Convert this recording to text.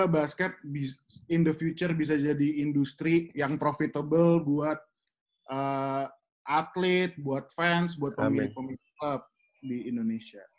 basket in the future bisa jadi industri yang profitable buat atlet buat fans buat pemilik pemilik klub di indonesia